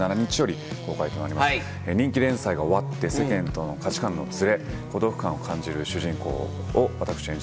人気連載が終わって世間との価値観のズレ孤独感を感じる主人公を私演じてます。